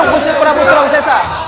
hidup gusti prabu surawisesa